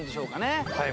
はい。